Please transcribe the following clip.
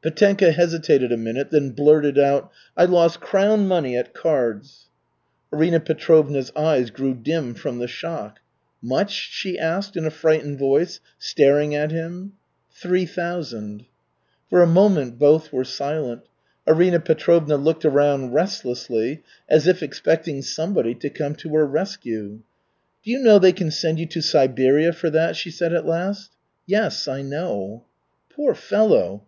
Petenka hesitated a minute, then blurted out: "I lost crown money at cards." Arina Petrovna's eyes grew dim from the shock. "Much?" she asked in a frightened voice, staring at him. "Three thousand." For a moment both were silent. Arina Petrovna looked around restlessly, as if expecting somebody to come to her rescue. "Do you know they can send you to Siberia for that?" she said at last. "Yes, I know." "Poor fellow!"